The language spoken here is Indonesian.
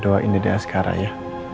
doain dede askara ya